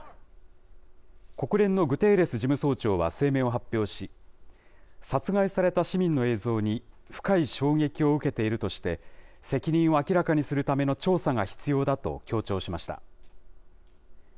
国連のグテーレス事務総長は声明を発表し、殺害された市民の映像に深い衝撃を受けているとして、責任を明らかにするための調査が必要だと強調しました。